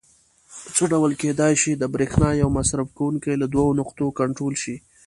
څه ډول کېدای شي د برېښنا یو مصرف کوونکی له دوو نقطو کنټرول شي؟